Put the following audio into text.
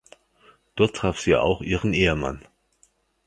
Dort taf sie auch ihren Ehemann.